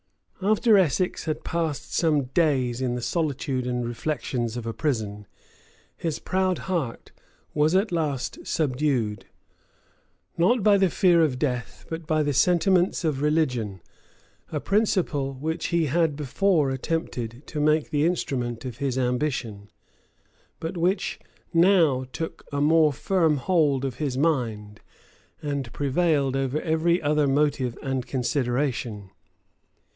After Essex had passed some days in the solitude and reflections of a prison, his proud heart was at last subdued, not by the fear of death, but by the sentiments of religion; a principle which he had before attempted to make the instrument of his ambition, but which now took a more firm hold of his mind, and prevailed over every other motive and consideration.